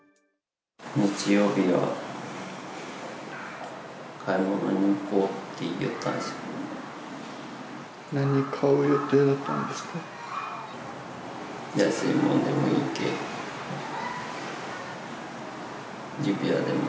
日曜日は買い物に行こうって言ってたんですよ。